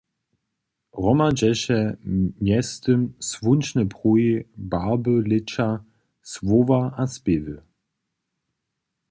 Hromadźeše mjeztym słónčne pruhi, barby lěća, słowa a spěwy.